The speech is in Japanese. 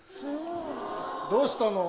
どうしたの？